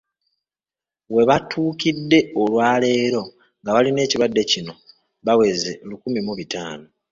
We butuukidde olwaleero ng'abalina ekirwadde kino baweze lukumi mu bitaano.